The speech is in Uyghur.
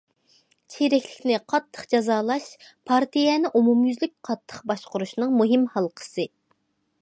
چىرىكلىكنى قاتتىق جازالاش پارتىيەنى ئومۇميۈزلۈك قاتتىق باشقۇرۇشنىڭ مۇھىم ھالقىسى.